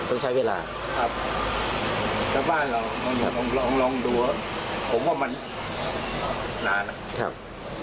ต้องใช้เวลานะครับแต่บ้านเหรอลองดูนะผมว่ามันนานนะอย่าง